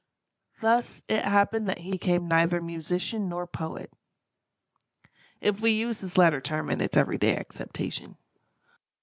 Thus it happened that he became neither musician nor poet; if we use this latter term in its every day acceptation.